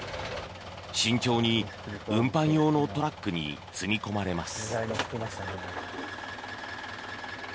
慎重に運搬用のトラックに積み込まれます。